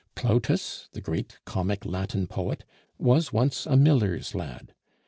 "Plautus, the great comic Latin poet, was once a miller's lad.